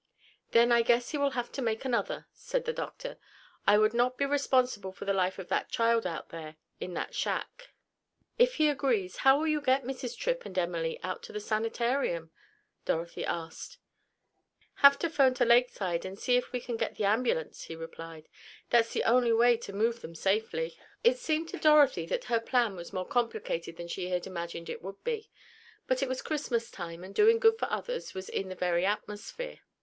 "Then I guess he will have to make another," said the doctor. "I would not be responsible for the life of that child out there in that shack." "If he agrees, how will you get Mrs. Tripp and Emily out to the sanitarium?" Dorothy asked. "Have to 'phone to Lakeside, and see if we can get the ambulance," he replied. "That's the only way to move them safely." It seemed to Dorothy that her plan was more complicated than she had imagined it would be, but it was Christmas time, and doing good for others was in the very atmosphere.